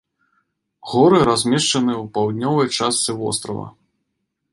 Горы размешчаны ў паўднёвай частцы вострава.